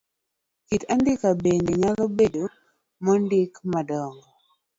Kit andike bendo nyalo bedo ma ondiki madong'o.